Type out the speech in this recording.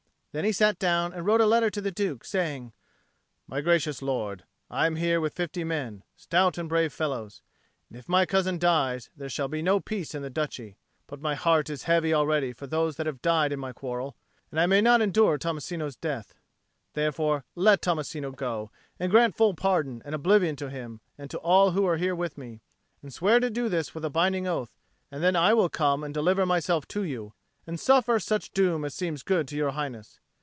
Then he sat down and wrote a letter to the Duke, saying, "My gracious lord, I am here with fifty men, stout and brave fellows; and if my cousin dies, there shall be no peace in the Duchy. But my heart is heavy already for those that have died in my quarrel, and I may not endure Tommasino's death. Therefore let Tommasino go, and grant full pardon and oblivion to him and to all who are here with me, and swear to do this with a binding oath; and then I will come and deliver myself to you, and suffer such doom as seems good to Your Highness.